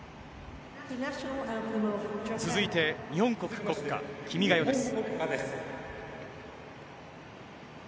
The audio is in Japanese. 続いて、日本国国歌、君が代です。